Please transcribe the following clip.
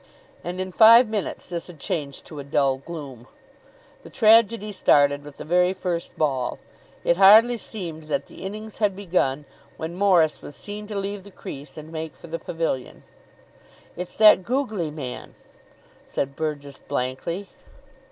And in five minutes this had changed to a dull gloom. The tragedy started with the very first ball. It hardly seemed that the innings had begun, when Morris was seen to leave the crease, and make for the pavilion. "It's that googly man," said Burgess blankly.